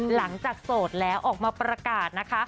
หลังจากโสดแล้วออกมาประกาศนะคะ